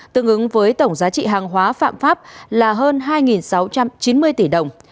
đứng với tổng giá trị hàng hóa phạm pháp là hơn hai sáu trăm chín mươi tỷ đồng